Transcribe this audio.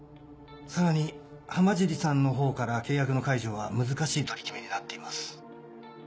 さらに浜尻さんのほうから契約の解除は難しい取り決めになっています。